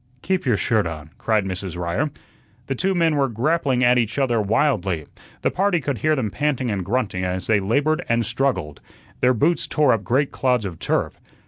"Keep your shirt on," cried Mrs. Ryer. The two men were grappling at each other wildly. The party could hear them panting and grunting as they labored and struggled. Their boots tore up great clods of turf.